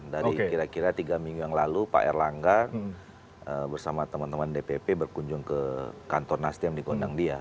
dari kira kira tiga minggu yang lalu pak erlangga bersama teman teman dpp berkunjung ke kantor nasdem di gondang dia